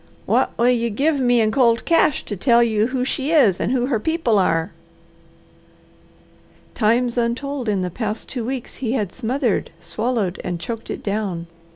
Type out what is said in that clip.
"What will you give me in cold cash to tell you who she is, and who her people are?" Times untold in the past two weeks he had smothered, swallowed, and choked it down.